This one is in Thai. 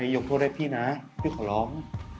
ยกโทษให้พี่นะพี่ขอร้อง